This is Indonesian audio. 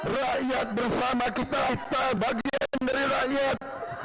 rakyat bersama kita kita bagian dari rakyat